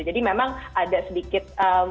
jadi memang ada sedikit